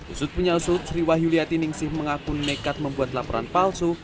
usut penyal sut sri wahyul yati ningsih mengaku nekat membuat laporan palsu